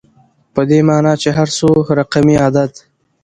په دې معني چي هر څو رقمي عدد